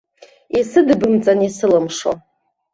Исыдбымҵан исылымшо.